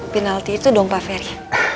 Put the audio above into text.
penalti itu dong pak ferry